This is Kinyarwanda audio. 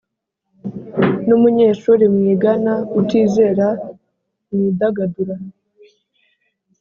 N umunyeshuri mwigana utizera mwidagadura